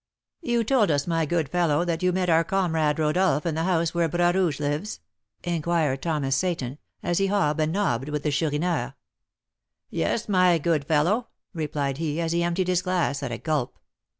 "You told us, my good fellow, that you met our comrade Rodolph in the house where Bras Rouge lives?" inquired Thomas Seyton, as he hob and nobbed with the Chourineur. "Yes, my good fellow," replied he, as he emptied his glass at a gulp.